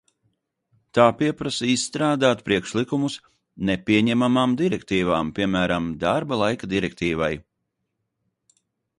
Tā pieprasa izstrādāt priekšlikumus nepieņemamām direktīvām, piemēram, darba laika direktīvai.